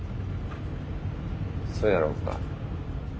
そやろうか。